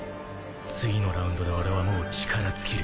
次のラウンドで俺はもう力尽きる。